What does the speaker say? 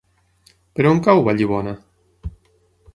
Per on cau Vallibona?